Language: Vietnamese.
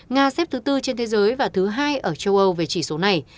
nga xếp thứ tư trên thế giới và thứ hai ở châu âu về chỉ số này